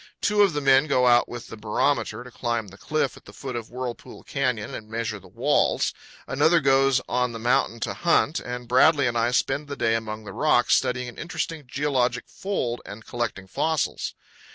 Two of the men go out with the barometer to climb the cliff at the foot of Whirlpool Canyon and measure the walls; another goes on the mountain to hunt; and Bradley and I spend the day among the rocks, studying an interesting geologic fold and collecting fossils.